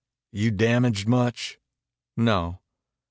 "You damaged much?" "No."